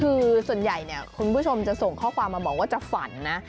คือส่วนใหญ่เนี่ยคุณผู้ชมจะส่งข้อความมาบอกว่าจะฝันนะ